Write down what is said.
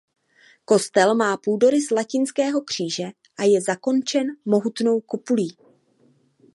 Kostel má půdorys latinského kříže a je zakončen mohutnou kupolí.